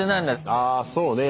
あそうね。